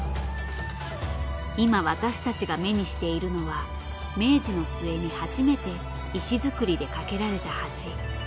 今私たちが目にしているのは明治の末に初めて石造りで架けられた橋。